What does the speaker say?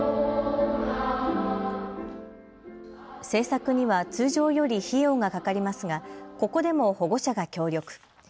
制作には通常より費用がかかりますがここでも保護者が協力。